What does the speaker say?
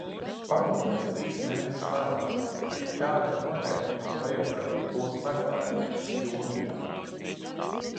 Pamodās trīs mēnešus vēlāk, tak tādam noteikumam vajadzēja būt martā, nevis jūnijā.